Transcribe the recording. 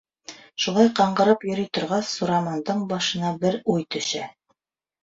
Шулай ҡаңғырып йөрөй торғас, Сурамандың башына бер уй төшә.